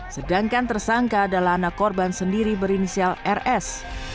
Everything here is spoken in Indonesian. sedangkan tersangka adalah anak korban sendiri berinisial rs